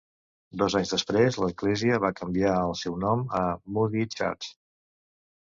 Dos anys després, l'església va canviar el seu nom a "Moody Church".